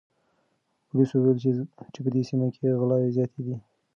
پولیسو وویل چې په دې سیمه کې غلاوې زیاتې دي.